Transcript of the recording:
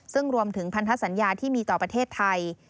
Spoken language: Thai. ซึ่งรวมถึงพันธสัญญาที่มีต่อประเทศไทย